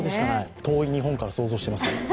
遠い日本から想像しています。